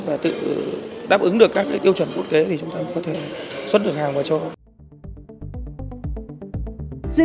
và tự đáp ứng được các tiêu chuẩn quốc tế thì chúng ta có thể xuất được hàng vào châu âu